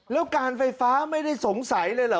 แล้วการไฟฟ้าไม่ได้สงสัยเลยเหรอ